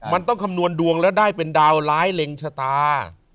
มันต้องคำนวณดวงแล้วได้เป็นดาวร้ายเล็งชะตา